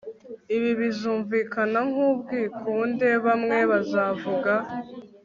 ibi bizumvikana nkubwikunde, bamwe bazavuga